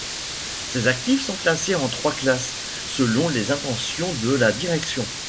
Ces actifs sont classés en trois classes selon les intentions de la direction.